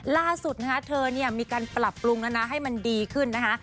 ล่าสุดนะคะเธอเนี่ยมีการปรับปรุงแล้วนะให้มันดีขึ้นนะคะ